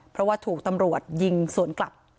เพราะว่าถูกตำรวจยิงสวนกลับ